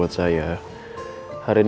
tentu saja man